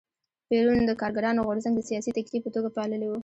پېرون د کارګرانو غورځنګ د سیاسي تکیې په توګه پاللی و.